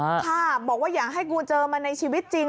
ค่ะบอกว่าอยากให้กูเจอมันในชีวิตจริง